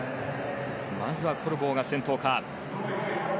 まずはコルボーが先頭か。